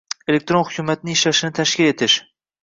Elektron hukumatning ishlashini tashkil etish